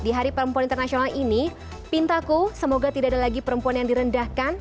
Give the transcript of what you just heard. di hari perempuan internasional ini pintaku semoga tidak ada lagi perempuan yang direndahkan